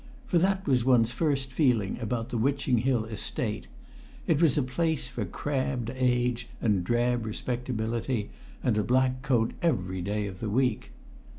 For that was one's first feeling about the Witching Hill Estate; it was a place for crabbed age and drab respectability, and a black coat every day of the week.